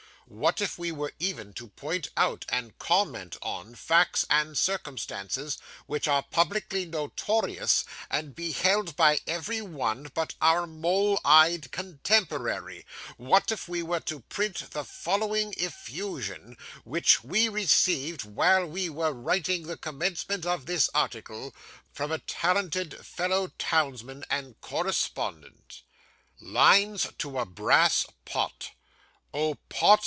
What, if we were even to point out, and comment on, facts and circumstances, which are publicly notorious, and beheld by every one but our mole eyed contemporary what if we were to print the following effusion, which we received while we were writing the commencement of this article, from a talented fellow townsman and correspondent? '"LINES TO A BRASS POT '"Oh Pott!